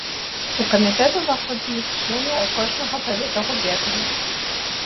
У камітэт уваходзілі члены ад кожнага павета губерні.